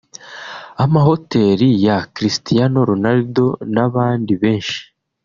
amahoteli ya Cristiano Ronaldo n’abandi benshi